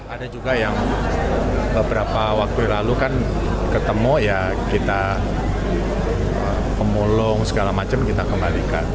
ada juga yang beberapa waktu lalu kan ketemu ya kita pemulung segala macam kita kembalikan